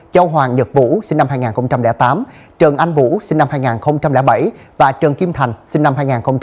châu hoàng nhật vũ sinh năm hai nghìn tám trần anh vũ sinh năm hai nghìn bảy và trần kim thành sinh năm hai nghìn